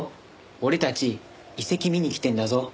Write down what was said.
俺たち遺跡見に来てるんだぞ。